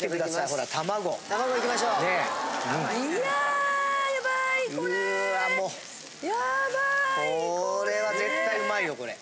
これは絶対うまいよこれ。